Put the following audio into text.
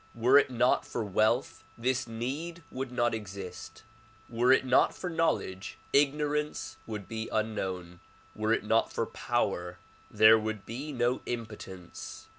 Were it not for wealth this need would not exist ; were it not for knowledge ignorance would be unknown ; were it not for power there would be no impotence.